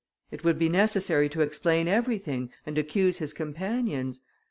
It would be necessary to explain everything, and accuse his companions.